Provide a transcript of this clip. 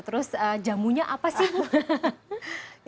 terus jamunya apa sih